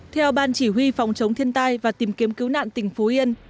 theo ban chỉ huy phòng chống thiên tai và tìm kiếm cứu nạn tỉnh phú yên